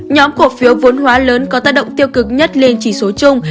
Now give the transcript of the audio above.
nhóm cổ phiếu vốn hóa lớn có tác động tiêu cực nhất lên chỉ số chung